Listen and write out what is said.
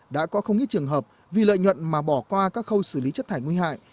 đã có không ít trường hợp vì lợi nhuận mà bỏ qua các khâu xử lý chất thải nguy hại